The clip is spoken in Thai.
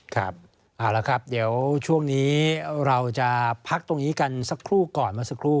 ครับเอาละครับเดี๋ยวช่วงนี้เราจะพักตรงนี้กันสักครู่ก่อนเมื่อสักครู่